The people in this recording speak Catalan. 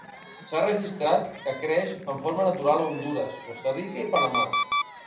S'ha registrat que creix en forma natural a Hondures, Costa Rica i Panamà.